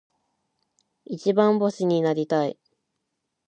一番星になりたい。